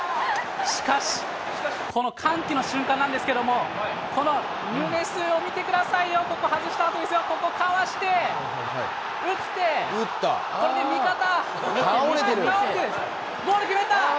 しかし、この歓喜の瞬間なんですけれども、このを見てくださいよ、ここ、外したあとですよ、ここ、かわして、打って、これで味方、倒れてる、ゴール決めた。